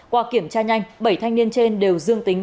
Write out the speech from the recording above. qua kiểm tra nhanh bảy thanh niên trên đều dương tính